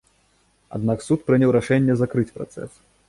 Аднак суд прыняў рашэнне закрыць працэс.